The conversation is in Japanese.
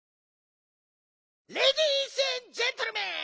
レディースエンドジェントルメン！